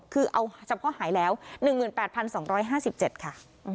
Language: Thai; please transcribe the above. คือเอาเฉพาะหายแล้ว๑๘๒๕๗ค่ะ